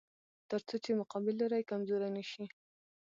تر څو چې مقابل لوری کمزوری نشي.